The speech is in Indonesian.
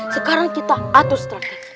sekarang kita atur strategi